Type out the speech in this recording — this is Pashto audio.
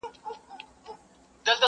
o اوښ تر پله لاندي نه سي پټېدلاى.